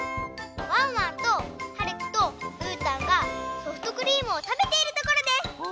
ワンワンとはるきとうーたんがソフトクリームをたべているところです！